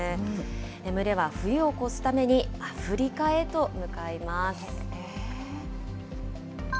群れは冬を越すためにアフリカへと向かいます。